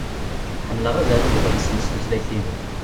Ḥemmleɣ ad aruɣ iḍrisen s tutlayt-inu.